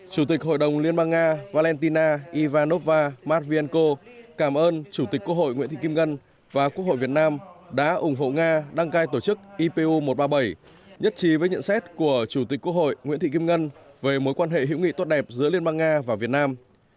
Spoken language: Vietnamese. chủ tịch hội đồng liên bang nga valentina ivanova matvienko cảm ơn chủ tịch quốc hội nguyễn thị kim ngân và quốc hội việt nam đã ủng hộ nga đăng cai tổ chức ipu một trăm ba mươi bảy nhất trí với nhận xét của chủ tịch quốc hội nguyễn thị kim ngân về mối quan hệ hữu nghị tốt đẹp giữa liên bang nga và việt nam